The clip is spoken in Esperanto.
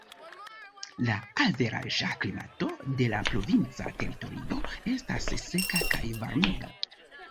La averaĝa klimato de la provinca teritorio estas seka kaj varmega.